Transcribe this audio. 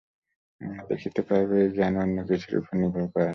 আমরা দেখিতে পাইব, এই জ্ঞান অন্য কিছুর উপর নির্ভর করে না।